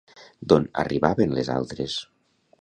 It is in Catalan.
D'on arribaven les altres?